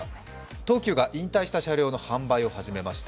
東急が引退した車両の販売を始めました。